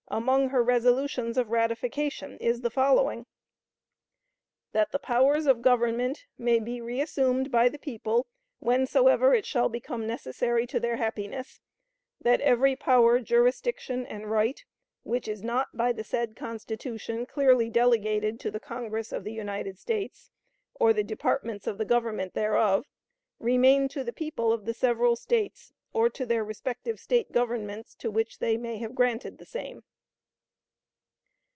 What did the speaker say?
Among her resolutions of ratification is the following: "That the powers of government may be reassumed by the people whensoever it shall become necessary to their happiness; that every power, jurisdiction, and right which is not by the said Constitution clearly delegated to the Congress of the United States, or the departments of the Government thereof, remain to the people of the several States, or to their respective State governments to which they may have granted the same."